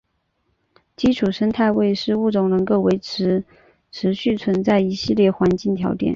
基础生态位是物种能够持续存在的一系列环境条件。